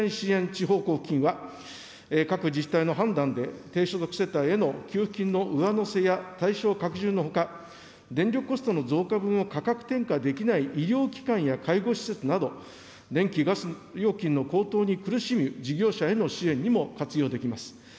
地方交付金は、各自治体の判断で低所得世帯への給付金の上乗せや対象拡充のほか、電力コストの増加分を価格転嫁できない医療機関や介護施設など、電気・ガス料金の高騰に苦しむ事業者への支援にも活用できます。